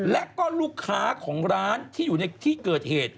และก็ลูกค้าของร้านที่อยู่ในที่เกิดเหตุ